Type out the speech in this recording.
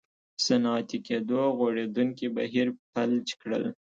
صنعتي کېدو غوړېدونکی بهیر فلج کړل.